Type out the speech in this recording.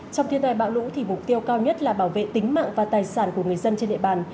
trong thiên tai bão lũ thì mục tiêu cao nhất là bảo vệ tính mạng và tài sản của người dân trên địa bàn